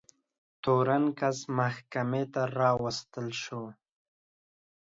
تورن کس محکمې ته راوستل شو.